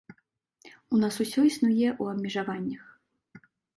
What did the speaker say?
У нас усё існуе ў абмежаваннях.